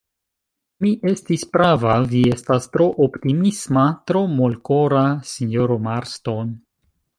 Mi estis prava; vi estas tro optimisma, tro molkora, sinjoro Marston.